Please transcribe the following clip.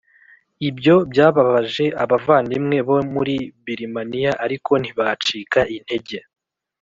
Ibyo byababaje abavandimwe bo muri birimaniya ariko ntibacika intege